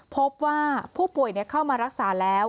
พบว่าผู้ป่วยเข้ามารักษาแล้ว